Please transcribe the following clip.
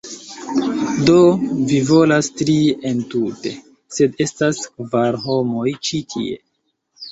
Do, vi volas tri entute, sed estas kvar homoj ĉi tie